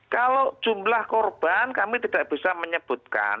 kalau jumlah korban kami tidak bisa menyebutkan